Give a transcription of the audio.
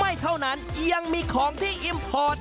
ไม่เท่านั้นยังมีของที่อิมพอร์ต